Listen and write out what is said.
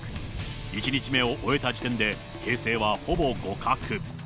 １日目を終えた時点で形勢はほぼ互角。